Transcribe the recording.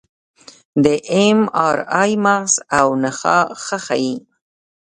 د اېم ار آی مغز او نخاع ښه ښيي.